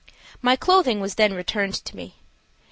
My clothing was then returned to me.